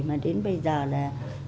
mà đến bây giờ là